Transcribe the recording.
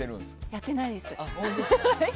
やってないです。